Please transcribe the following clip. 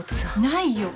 ないよ。